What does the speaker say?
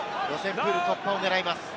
プール突破を狙います。